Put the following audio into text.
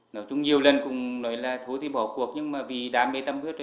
nói chung nhiều lần cũng nói là thú thì bỏ cuộc nhưng mà vì đam mê tâm huyết